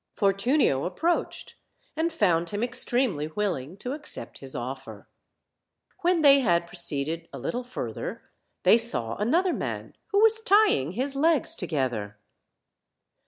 Fortunio approached, and found him ex tremely willing to accept his offer. When they had proceeded a little further they saw another man, who was tying his legs together.